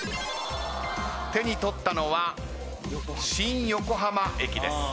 手に取ったのは新横浜駅です。